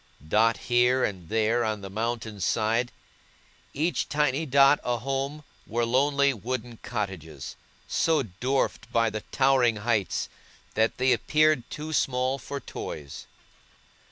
Dotted here and there on the mountain's side, each tiny dot a home, were lonely wooden cottages, so dwarfed by the towering heights that they appeared too small for toys.